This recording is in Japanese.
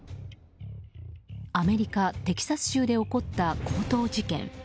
アメリカ・テキサス州で起こった強盗事件。